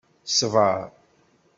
Ṣbeṛ!